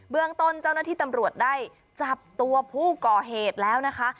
เมืองต้นเจ้าหน้าที่ตำรวจได้จับตัวผู้ก่อเหตุแล้วนะคะ